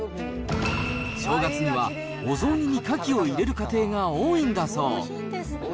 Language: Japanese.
正月にはお雑煮にカキを入れる家庭が多いんだそう。